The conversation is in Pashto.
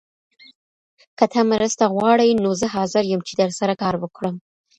که ته مرسته غواړې نو زه حاضر یم چي درسره کار وکړم.